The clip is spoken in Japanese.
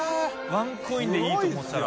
ワンコインでいいと思ってたら。